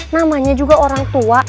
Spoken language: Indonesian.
namanya juga orang tua